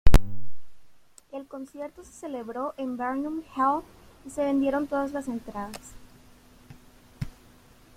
El concierto se celebró en Barnum Hall y se vendieron todas las entradas.